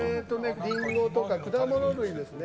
リンゴとか果物類ですね。